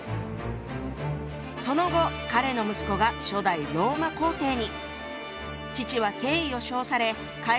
その後彼の息子が初代ローマ皇帝に。